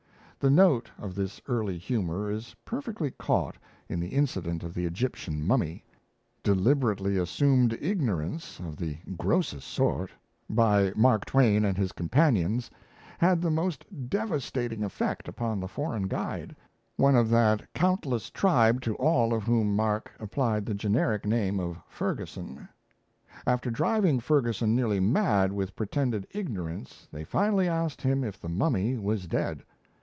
The note of this early humour is perfectly caught in the incident of the Egyptian mummy. Deliberately assumed ignorance of the grossest sort, by Mark Twain and his companions, had the most devastating effect upon the foreign guide one of that countless tribe to all of whom Mark applied the generic name of Ferguson. After driving Ferguson nearly mad with pretended ignorance, they finally asked him if the mummy was dead.